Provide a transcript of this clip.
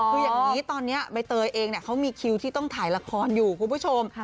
คืออย่างนี้ตอนนี้ใบเตยเองเขามีคิวที่ต้องถ่ายละครอยู่คุณผู้ชม